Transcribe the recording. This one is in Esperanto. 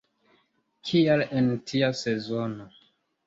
Kial en tia sezono?